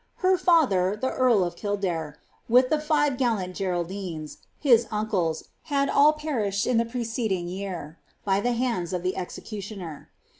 Her father, the earl of Kildare, with the Hve gallant Geraldinea, his uncles, had all perished in the preceding year, by the hands o( the executioner.